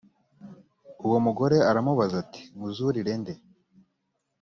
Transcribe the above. uwo mugore aramubaza ati nkuzurire nde ‽